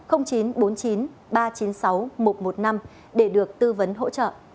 hoặc chín trăm bốn mươi chín tám mươi hai một trăm một mươi năm